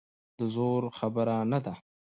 د زور خبره نه ده.